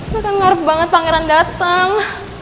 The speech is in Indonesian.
mereka ngarp banget pangeran datang